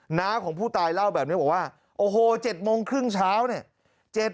หน้าของผู้ตายเล่าแบบนี้บอกว่าโอ้โห๗โมงครึ่งเช้าเนี่ย